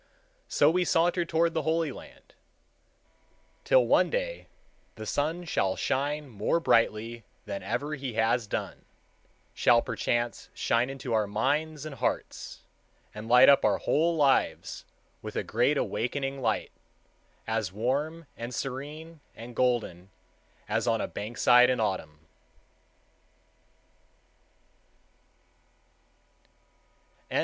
So we saunter toward the Holy Land, till one day the sun shall shine more brightly than ever he has done, shall perchance shine into our minds and hearts, and light up our whole lives with a great awakening light, as warm and serene and golden as on a bank side in Autumn.